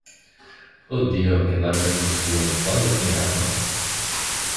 Oh Dio, che barbari costumi, quando finiranno?